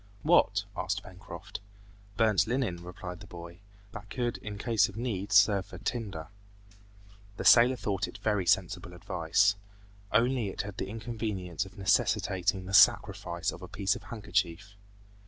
"What?" asked Pencroft. "Burnt linen," replied the boy. "That could in case of need serve for tinder." The sailor thought it very sensible advice. Only it had the inconvenience of necessitating the sacrifice of a piece of handkerchief.